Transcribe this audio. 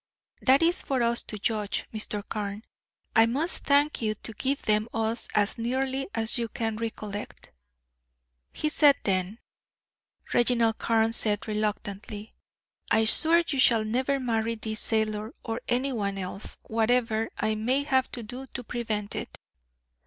"That is for us to judge, Mr. Carne. I must thank you to give them us as nearly as you can recollect." "He said then," Reginald Carne said, reluctantly, "'I swear you shall never marry this sailor or any one else, whatever I may have to do to prevent it.'